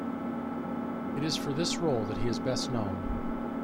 It is for this role that he is best known.